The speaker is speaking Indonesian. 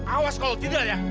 awas kalau tidak ya